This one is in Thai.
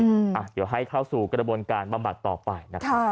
เดี๋ยวให้เข้าสู่กระบวนการบำบัดต่อไปนะคะ